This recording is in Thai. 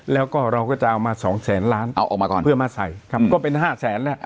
แล้วก็เราก็จะเอามา๒แสนล้านเพื่อมาใส่ก็เป็น๕แสนแล้ว